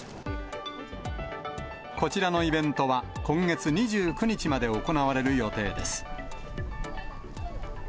こちらのイベントは、今月２９日まで行われる予定です。